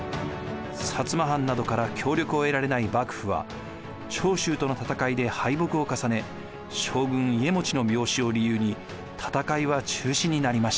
摩藩などから協力を得られない幕府は長州との戦いで敗北を重ね将軍・家茂の病死を理由に戦いは中止になりました。